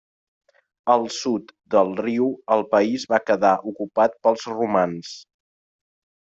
Al sud del riu el país va quedar ocupat pels romans.